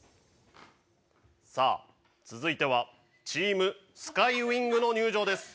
さあ、続いてはチームスカイウイングの入場です。